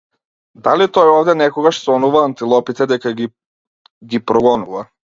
Дали тој овде некогаш сонува антилопите дека ги ги прогонува?